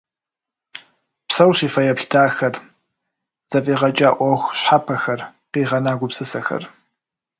Псэущ и фэеплъ дахэр, зэфӏигъэкӏа ӏуэху щхьэпэхэр, къигъэна гупсысэхэр.